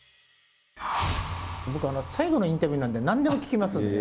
僕、最後のインタビューなんで、なんでも聞きます。